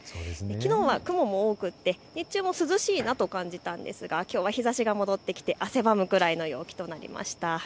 きのうは雲も多くって、日中も涼しいなと感じましたがきょうは日ざしが戻ってきて汗ばむくらいの陽気となりました。